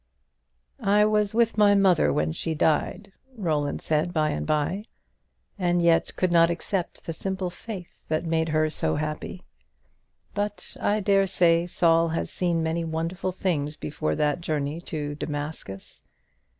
"I was with my mother when she died." Roland said by and by, "and yet could not accept the simple faith that made her so happy. But I dare say Saul had seen many wonderful things before that journey to Damascus.